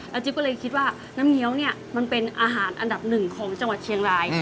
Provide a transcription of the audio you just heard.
จิ๊บก็เลยคิดว่าน้ำเงี้ยวเนี่ยมันเป็นอาหารอันดับหนึ่งของจังหวัดเชียงราย